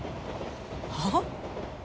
はあ？